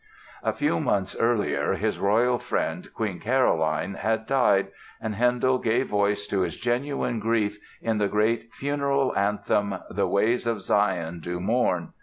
A few months earlier his royal friend, Queen Caroline, had died and Handel gave voice to his genuine grief in the great Funeral Anthem, "The Ways of Zion do Mourn."